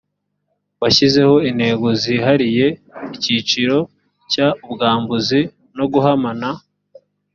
washyizeho intego zihariye icyiciro cya ubwambuzi no guhamana